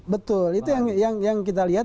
betul itu yang kita lihat